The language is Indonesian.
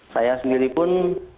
saya sendiri pun